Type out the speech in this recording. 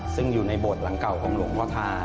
ซึ่งอยู่ในโบสถ์หลังเก่าของหลวงพ่อทา